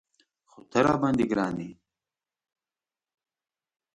خو ته راباندې ګران یې.